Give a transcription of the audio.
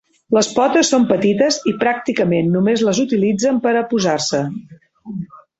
Les potes són petites i pràcticament només les utilitzen per a posar-se.